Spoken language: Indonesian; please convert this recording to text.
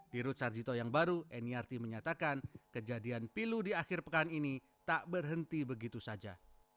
di rut sarjito yang baru nirt menyatakan kejadian pilu di akhir pekan ini tak berhenti begitu saja